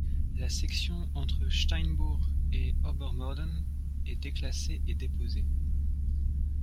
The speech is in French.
La section entre Steinbourg et Obermodern est déclassée et déposée.